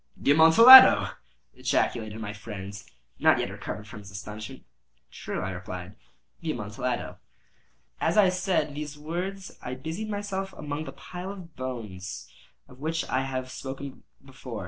"The Amontillado!" ejaculated my friend, not yet recovered from his astonishment. "True," I replied; "the Amontillado." As I said these words I busied myself among the pile of bones of which I have before spoken.